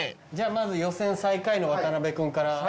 じゃあまず予選最下位の渡辺君から。